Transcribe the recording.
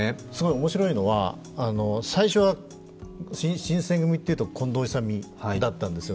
面白いのは、最初は新選組というと近藤勇だったんですよ。